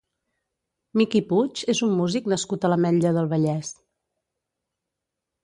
Miqui Puig és un músic nascut a l'Ametlla del Vallès.